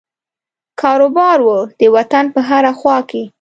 کاروبار وو د وطن په هره خوا کې.